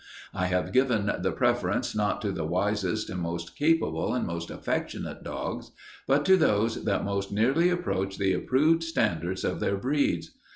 I have given the preference not to the wisest and most capable and most affectionate dogs, but to those that most nearly approach the approved standards of their breeds.